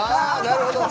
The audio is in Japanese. あなるほど。